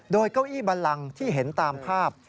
โดยเก้าอี้บันลังที่เห็นตามภาพ